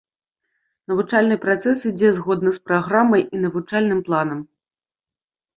Навучальны працэс ідзе згодна з праграмай і навучальным планам.